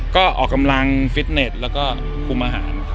ก็ออกกำลังฟิตเน็ตแล้วก็คุมอาหาร